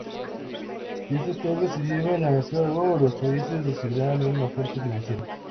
Si estos cambios se llevaban a cabo, los países recibirían un aporte financiero.